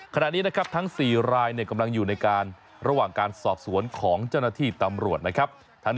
ขณะนี้นะครับทั้งสี่รายกำลังอยู่ระหว่างการสอบสวนจนาที่ตำรวจนะครับ